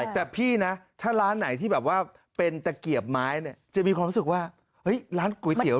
แต่พี่นะถ้าร้านไหนที่แบบว่าเป็นตะเกียบไม้เนี่ยจะมีความรู้สึกว่าเฮ้ยร้านก๋วยเตี๋ย